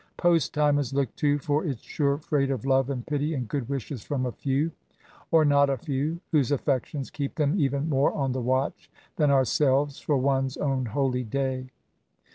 Post time is looked to for its sure freight of love and pity and good wishes from a few — or not a few — ^whose affections keep them even more on the watch than ourselves for one's own holy day.